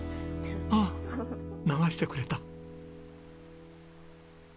あっ流してくれた。